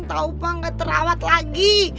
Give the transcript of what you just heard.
tahu pak gak terawat lagi